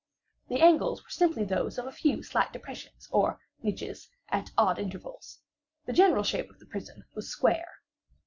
The angles were simply those of a few slight depressions, or niches, at odd intervals. The general shape of the prison was square.